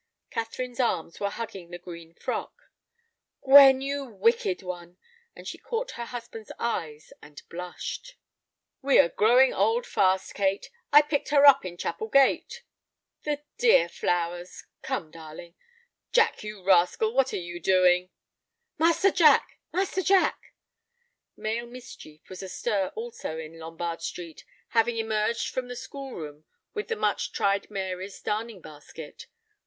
Catherine's arms were hugging the green frock. "Gwen, you wicked one," and she caught her husband's eyes and blushed. "We are growing old fast, Kate. I picked her up in Chapel Gate." "The dear flowers; come, darling. Jack, you rascal, what are you doing?" "Master Jack! Master Jack!" Male mischief was astir also in Lombard Street, having emerged from the school room with the much tried Mary's darning basket.